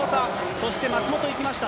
そして松元いきました。